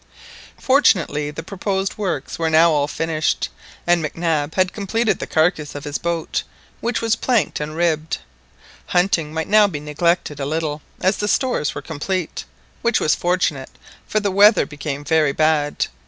Fortunately the proposed works were now all finished, and MacNab had completed the carcass of his boat, which was planked and ribbed. Hunting might now be neglected a little, as the stores were complete, which was fortunate, for the weather became very bad.